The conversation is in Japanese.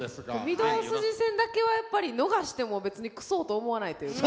御堂筋線だけはやっぱり逃しても別に「くそ！」と思わないというか。